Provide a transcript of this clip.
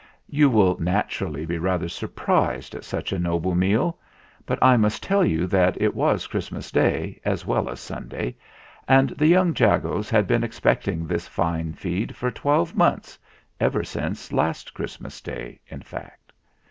You will naturally be rather surprised at such a noble meal. But I must tell you that it was Christmas Day as well as Sunday, and the young Jagos had been expecting this fine feed for twelve months ever since last Christmas Day, in fact.